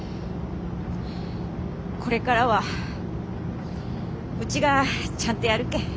これからはうちがちゃんとやるけん。